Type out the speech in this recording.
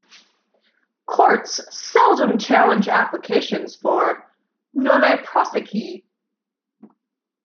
Courts seldom challenge applications for "nolle prosequi".